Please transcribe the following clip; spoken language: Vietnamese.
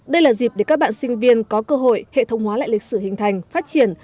đây là dịp để các bạn sinh viên có cơ hội hệ thống hóa lại lịch sử hình thành phát triển